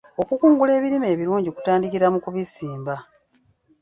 Okukungula ebirime ebirungi kutandikira mu kubisimba.